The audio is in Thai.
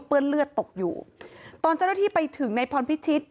เลือดเลือดตกอยู่ตอนเจ้าหน้าที่ไปถึงในพรพิชิต